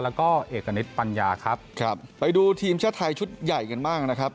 แล้วก็เอกณิตปัญญาครับครับไปดูทีมชาติไทยชุดใหญ่กันบ้างนะครับ